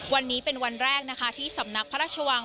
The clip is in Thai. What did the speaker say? วันนี้เป็นวันแรกนะคะที่สำนักพระราชวัง